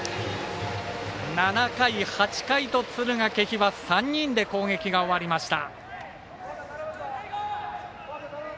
７回、８回と敦賀気比は３人で攻撃が終わりました。